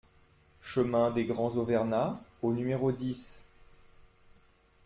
Chemin des Grands Auvernats au numéro dix